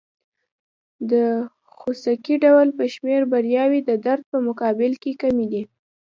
د خوسکي ډول په شمېر بریاوې د درد په مقابل کې کمې دي.